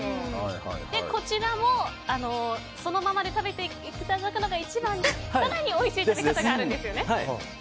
こちらもそのままで食べていただくのが一番ですが更においしい食べ方があるんですよね。